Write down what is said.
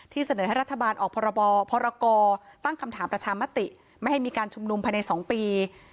เสนอให้รัฐบาลออกพรบพรกตั้งคำถามประชามติไม่ให้มีการชุมนุมภายใน๒ปี